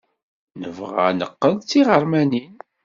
Nebɣa ad neqqel d tiɣermanin.